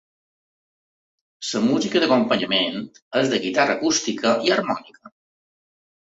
La música d'acompanyament és de guitarra acústica i harmònica.